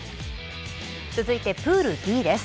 続いて、プールＢです。